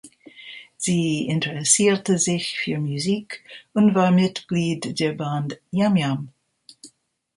Sie interessierte sich für Musik und war Mitglied der Band "Yam Yam".